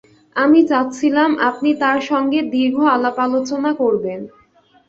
আমি চাচ্ছিলাম আপনি তার সঙ্গে দীর্ঘ আলাপ-আলোচনা করবেন।